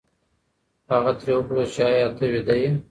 هغه ترې وپوښتل چې ایا ته ویده یې؟